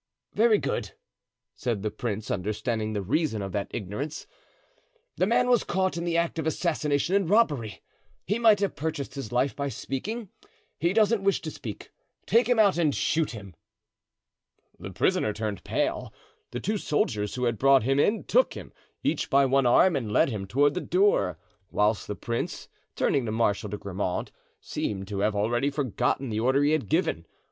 "Very good," said the prince, understanding the reason of that ignorance; "the man was caught in the act of assassination and robbery; he might have purchased his life by speaking; he doesn't wish to speak. Take him out and shoot him." The prisoner turned pale. The two soldiers who had brought him in took him, each by one arm, and led him toward the door, whilst the prince, turning to Marshal de Grammont, seemed to have already forgotten the order he had given.